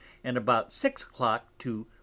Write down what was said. and about Six a Clock to W.